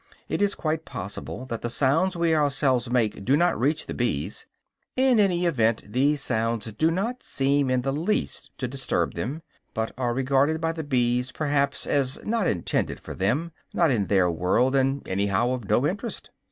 It is quite possible that the sounds we ourselves make do not reach the bees; in any event these sounds do not seem in the least to disturb them, but are regarded by the bees perhaps as not intended for them, not in their world, and anyhow of no interest.